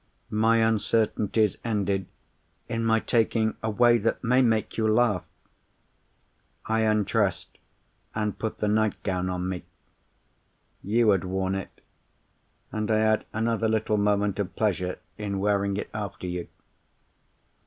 My uncertainties ended in my taking a way that may make you laugh. I undressed, and put the nightgown on me. You had worn it—and I had another little moment of pleasure in wearing it after you.